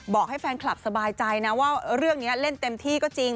บอกให้แฟนคลับสบายใจนะว่าเรื่องนี้เล่นเต็มที่ก็จริง